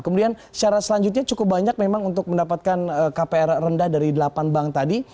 kemudian syarat selanjutnya cukup banyak memang untuk mendapatkan kpr rendah dari delapan bank tadi